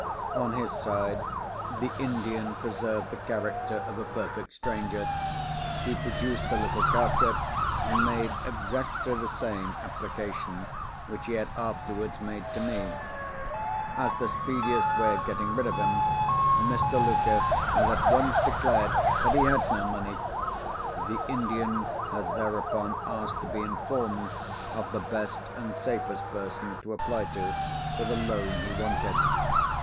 On his side, the Indian preserved the character of a perfect stranger. He produced the little casket, and made exactly the same application which he had afterwards made to me. As the speediest way of getting rid of him, Mr. Luker had at once declared that he had no money. The Indian had thereupon asked to be informed of the best and safest person to apply to for the loan he wanted.